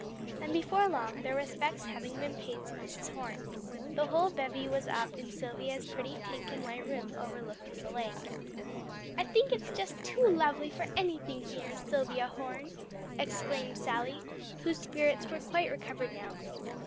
And before long, their respects having been paid to Mrs. Horne, the whole bevy was up in Silvia's pretty pink and white room overlooking the lake. "I think it's just too lovely for anything here, Silvia Horne," exclaimed Sally, whose spirits were quite recovered now.